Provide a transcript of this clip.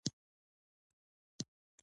مخکې له ډوډۍ خوړلو څخه خپل لاسونه پرېمینځئ